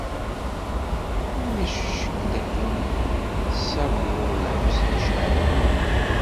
Ulac ccek dakken tessaggdeḍ Lḥusin n Caɛban u Ṛemḍan.